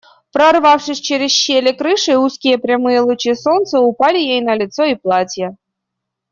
Прорвавшись через щели крыши, узкие прямые лучи солнца упали ей на лицо и платье.